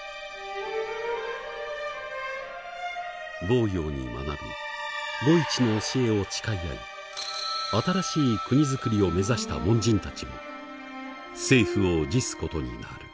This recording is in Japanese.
亡羊に学び互市の教えを誓い合い新しい国づくりを目指した門人たちも政府を辞すことになる。